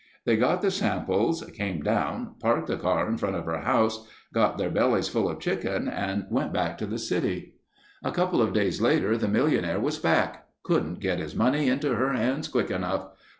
"They got the samples, came down, parked the car in front of her house, got their bellies full of chicken and went back to the city. A couple of days later the millionaire was back. Couldn't get his money into her hands quick enough.